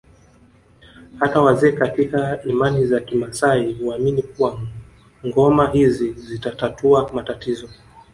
Hata wazee katika imani za kimaasai huamini kuwa ngoma hizi zitatatua matatizo